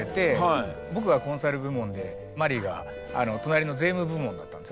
僕がコンサル部門でマリが隣の税務部門だったんですよね。